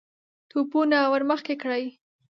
توپونه ور مخکې کړئ!